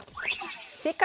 正解！